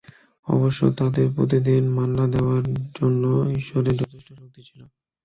অবশ্য, তাদের প্রতিদিন মান্না দেওয়ার জন্য ঈশ্বরের যথেষ্ট শক্তি ছিল।